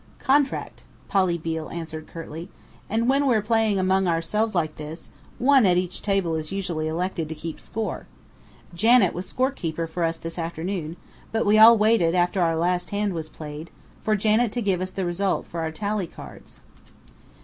"Contract," Polly Beale answered curtly. "And when we're playing among ourselves like this, one at each table is usually elected to keep score. Janet was score keeper for us this afternoon, but we all waited, after our last hand was played, for Janet to give us the result for our tally cards."